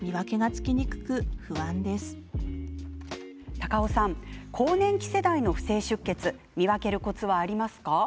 高尾さん、更年期世代の不正出血見分けるコツはありますか？